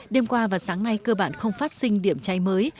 đêm qua và sáng nay cơ bản không phát sinh điểm cháy mới